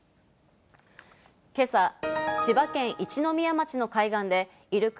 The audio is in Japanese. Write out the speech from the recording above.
今朝、千葉県一宮町の海岸でイルカ